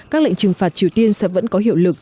các lệnh trừng phạt triều tiên sẽ vẫn có hiệu lực